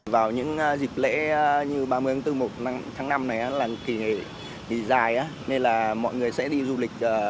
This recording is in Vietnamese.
vào những dịp lễ như ba mươi tháng bốn một tháng năm này là kỳ nghỉ dài nên là mọi người sẽ đi du lịch